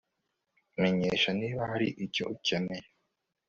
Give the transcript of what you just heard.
Menyesha niba hari icyo ukeneye